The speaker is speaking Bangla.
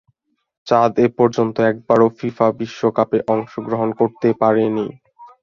চাদ এপর্যন্ত একবারও ফিফা বিশ্বকাপে অংশগ্রহণ করতে পারেনি।